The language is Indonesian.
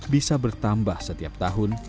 bisa bertambah setiap tahun